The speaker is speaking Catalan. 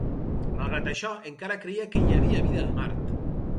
Malgrat això, encara creia que hi havia vida a Mart.